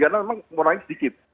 karena memang orangnya sedikit